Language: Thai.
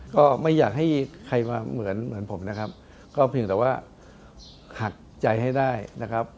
ก็ไม่อยากให้ใครมาเหมือนเหมือนผมนะครับก็เพียงแต่ว่าหักใจให้ได้นะครับ